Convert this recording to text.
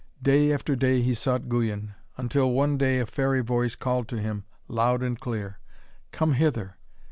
Day after day he sought Guyon, until one day a fairy voice called to him, loud and clear, 'Come hither!